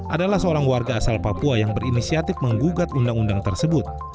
adalah seorang warga asal papua yang berinisiatif menggugat undang undang tersebut